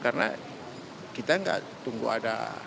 karena kita enggak tunggu ada